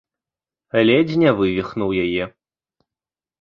Ледзь не вывіхнуў яе.